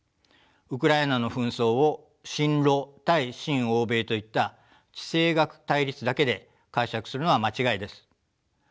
ウクライナの紛争を親ロ対親欧米といった地政学対立だけで解釈するのは間違いです。